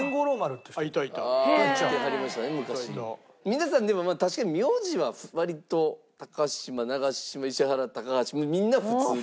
皆さんでも確かに名字は割と高嶋長嶋石原高橋みんな普通ですけども。